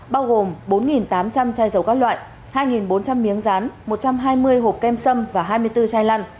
bao gồm bốn tám trăm linh chai dầu các loại hai bốn trăm linh miếng rán một trăm hai mươi hộp kem sâm và hai mươi bốn chai lăn